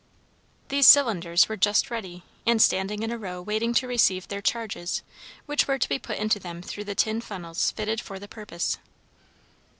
These cylinders were just ready, and standing in a row waiting to receive their "charges," which were to be put into them through the tin funnels fitted for the purpose.